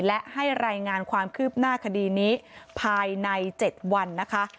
และให้รายงานความคืบหน้าคดีนี้ภายใน๗วันนะคะ